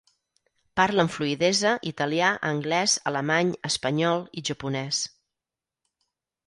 Parla amb fluïdesa italià, anglès, alemany, espanyol i japonès.